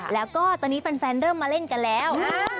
แล้วก็ตอนนี้แฟนเริ่มมาเล่นกันแล้ว